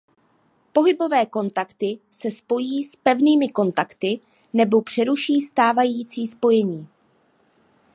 Pohyblivé kontakty se spojí s pevnými kontakty nebo přeruší stávající spojení.